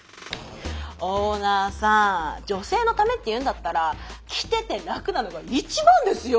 オーナーさん女性のためって言うんだったら着てて楽なのが一番ですよ。